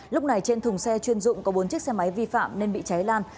lúc này trên thùng xe chuyên dụng có bốn chiếc xe máy vi phạm nên bị cháy lan